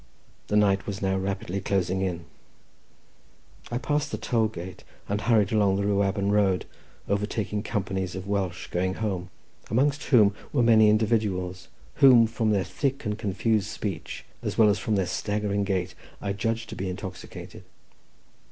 The night was now rapidly closing in. I passed the toll gate, and hurried along the Rhiwabon road, overtaking companies of Welsh going home, amongst whom were many individuals, whom, from their thick and confused speech, as well as from their staggering gait, I judged to be intoxicated.